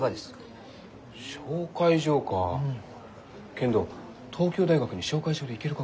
けんど東京大学に紹介状で行けるがか？